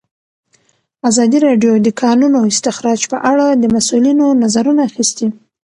ازادي راډیو د د کانونو استخراج په اړه د مسؤلینو نظرونه اخیستي.